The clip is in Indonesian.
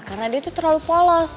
karena dia itu terlalu polos